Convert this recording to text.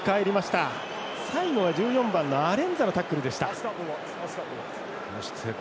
最後は１４番のアレンザのタックルでした。